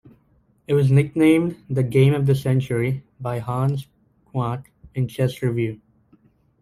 It was nicknamed "The Game of the Century" by Hans Kmoch in "Chess Review".